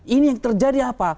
ini yang terjadi apa